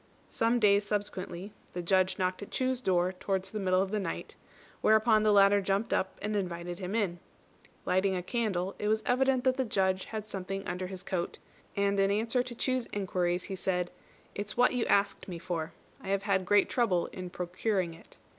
Some days subsequently, the Judge knocked at Chu's door towards the middle of the night; whereupon the latter jumped up and invited him in. Lighting a candle, it was evident that the Judge had something under his coat, and in answer to Chu's inquiries, he said, "It's what you asked me for. I have had great trouble in procuring it."